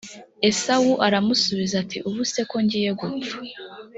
esawu aramusubiza ati ubu se ko ngiye gupfa